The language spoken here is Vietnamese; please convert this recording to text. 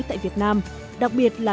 tại việt nam đặc biệt là